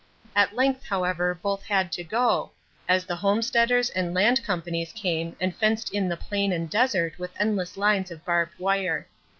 At length, however, both had to go, as the homesteaders and land companies came and fenced in the plain and desert with endless lines of barbed wire.